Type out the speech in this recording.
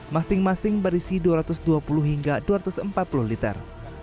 masing masing berisi dua ratus dua puluh hingga dua ratus empat puluh liter